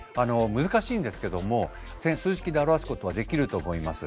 難しいんですけども数式で表すことはできると思います。